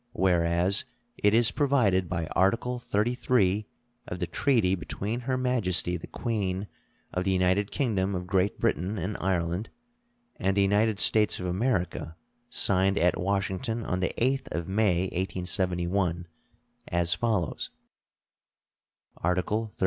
Whereas it is provided by Article XXXIII of the treaty between Her Majesty the Queen of the United Kingdom of Great Britain and Ireland and the United States of America signed at Washington on the 8th of May, 1871, as follows: "Article XXXIII.